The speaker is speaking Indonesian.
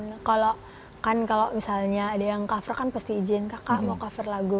karena kalau kan kalau misalnya ada yang cover kan pasti izin kakak mau cover lagu